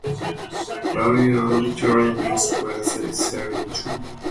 "Binirayan" literally means "where they sailed to".